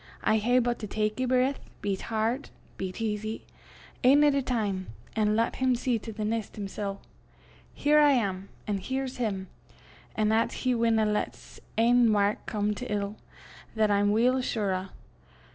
I hae but to tak ae breath, be 't hard, be 't easy, ane at a time, an' lat him see to the neist himsel'. Here I am, an' here's him; an' 'at he winna lat 's ain wark come to ill, that I'm weel sure o'.